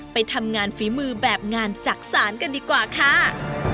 ไปทำงานฝีมือแบบงานจักษานกันดีกว่าค่ะ